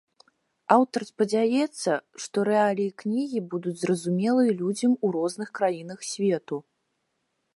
Аўтар спадзяецца, што рэаліі кнігі будуць зразумелыя людзям у розных краінах свету.